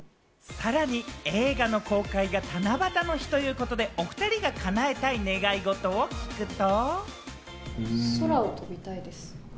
さらに映画の公開が七夕の日ということで、お２人が叶えたい願い事を聞くと。